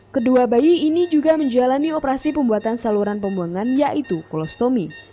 kedua bayi ini juga menjalani operasi pembuatan saluran pembuangan yaitu kolostomi